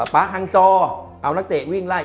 ป๊าฮังจอเอานักเตะวิ่งไล่